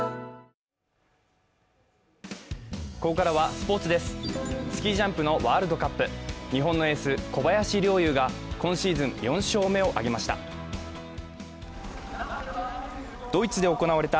スキージャンプのワールドカップ、日本のエース、小林陵侑が今シーズン４勝目を挙げました。